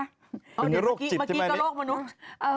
อันนี้เมื่อกี้ก็โลกมนุษย์